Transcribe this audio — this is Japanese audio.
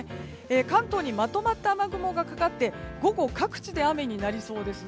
関東にまとまった雨雲がかかって午後各地で雨になりそうです。